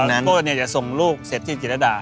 เพราะตอนนี้จะส่งลูกเศรษฐ์ที่เจรดา